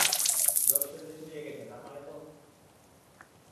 রোগ শরীরে ছড়িয়ে গেছে, তার মানে তো?